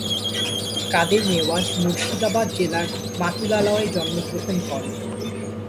কাদের নেওয়াজ মুর্শিদাবাদ জেলার মাতুলালয়ে জন্মগ্রহণ করেন।